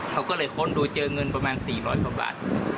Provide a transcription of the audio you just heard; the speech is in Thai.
เขาก็เลยค้นดูเจอเงินประมาณ๔๐๐กว่าบาท